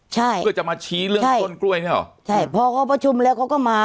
ใช่เพื่อจะมาชี้เรื่องต้นกล้วยเนี่ยเหรอใช่พอเขาประชุมแล้วเขาก็มา